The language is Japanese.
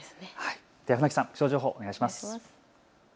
では船木さん、気象情報をお願いします。